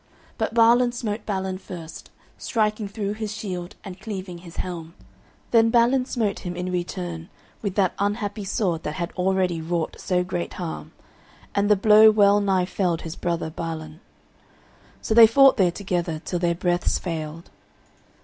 But Balan smote Balin first, striking through his shield and cleaving his helm. Then Balin smote him in return with that unhappy sword that had already wrought so great harm, and the blow well nigh felled his brother Balan. So they fought there together till their breaths failed.